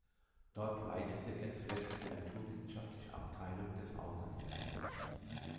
Dort leitete er zuletzt die naturwissenschaftliche Abteilung des Hauses.